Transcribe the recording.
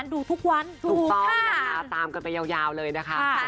งานออกมาถึงเหตุวันเวลา